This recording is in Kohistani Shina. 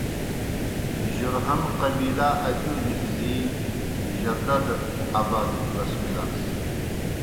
جرہم قبیلہ ادِیؤ نِکھزِی جدہ دہ آباد بَسمِلاس۔